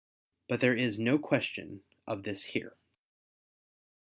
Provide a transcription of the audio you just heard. But there is no question of this here.